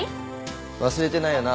忘れてないよな？